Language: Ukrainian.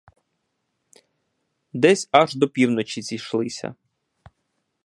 Десь аж до півночі зійшлися.